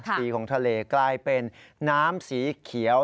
สีของทะเลกลายเป็นน้ำสีเขียว